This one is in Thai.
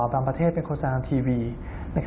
บางประเทศเป็นโครวสารทางทีวี